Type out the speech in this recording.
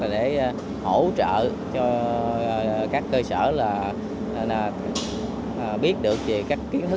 để hỗ trợ cho các cơ sở biết được về các kiến thức về ăn đồ phẩm